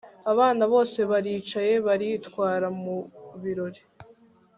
abana bose baricaye baritwara mu birori